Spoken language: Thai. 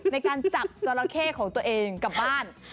ในการจับจราเข้ของตัวเองกลับบ้าน